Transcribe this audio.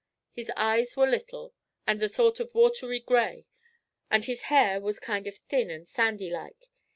His eyes were little, and a sort of watery gray, and his hair was kind of thin and sandy like.